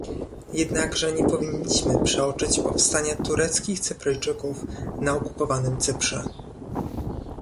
Jednakże nie powinniśmy przeoczyć powstania tureckich Cypryjczyków na okupowanym Cyprze